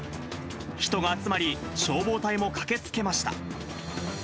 人が集まり、消防隊も駆けつけました。